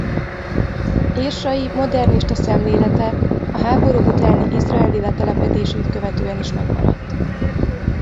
Irsai modernista szemlélete a háború utáni izraeli letelepedését követően is megmaradt.